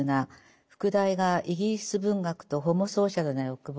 副題が「イギリス文学とホモソーシャルな欲望」。